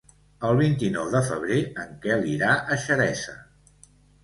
El vint-i-nou de febrer en Quel irà a Xeresa.